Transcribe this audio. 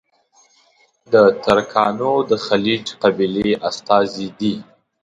د ترکانو د خیلیچ قبیلې استازي دي.